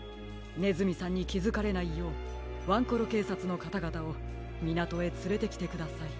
ねずみさんにきづかれないようワンコロけいさつのかたがたをみなとへつれてきてください。